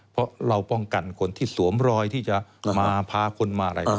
เพราะเราป้องกันคนที่สวมรอยที่จะมาพาคนมาอะไร